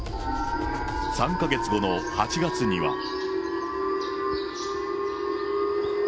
３か月後の８月には。